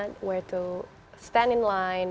bagaimana untuk berdiri di dalam